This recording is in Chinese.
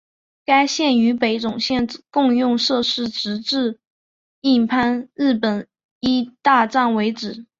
该线与北总线共用设施直至印幡日本医大站为止。